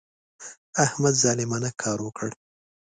احمد ظالمانه کار وکړ.